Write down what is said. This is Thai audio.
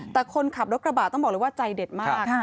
แต่คนขับรถกระบะต้องบอกเลยว่าใจเด็ดมาก